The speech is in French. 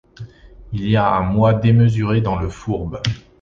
Il y a un moi démesuré dans le fourbe.